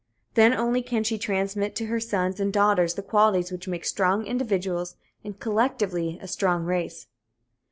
Then only can she transmit to her sons and daughters the qualities which make strong individuals and, collectively, a strong race.